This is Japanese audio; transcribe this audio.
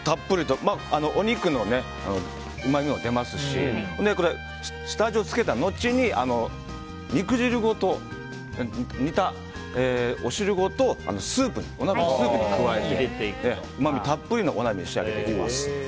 お肉のうまみも出ますし下味をつけた後に肉汁ごと、煮たお汁ごとお鍋のスープに加えてうまみたっぷりのお鍋に仕上げていきます。